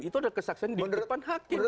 itu adalah kesaksian di depan hakim